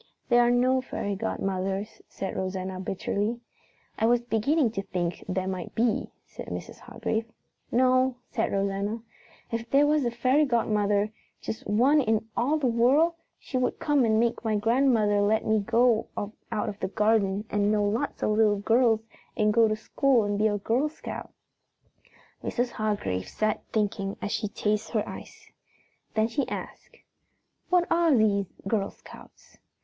"There are no fairy godmothers," said Rosanna bitterly. "I was beginning to think there might be," said Mrs. Hargrave. "No," said Rosanna. "If there was a fairy godmother, just one in all the world, she would come and make my grandmother let me go out of the garden and know lots of little girls and go to school and be a Girl Scout." Mrs. Hargrave sat thinking as she tasted her ice. Then she asked, "What are these Girl Scouts?"